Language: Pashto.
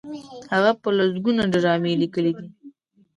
هغه په لسګونو ډرامې لیکلي دي.